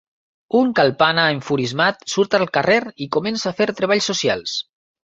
Un Kalpana enfurismat surt al carrer i comença a fer treballs socials.